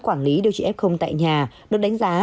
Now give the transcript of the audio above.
quản lý điều trị f tại nhà được đánh giá